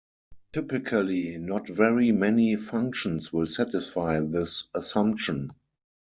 Typically not very many functions will satisfy this assumption.